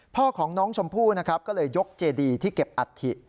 พ่อของน้องชมพู่นะครับก็เลยยกเจดีที่เก็บอัฐิ